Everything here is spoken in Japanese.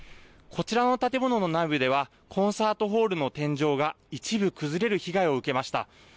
こちら建物の内部ではコンサートホールの天井が一部、崩れる被害を受けました。